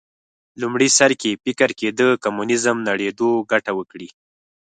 لومړي سر کې فکر کېده کمونیزم نړېدو ګټه وکړي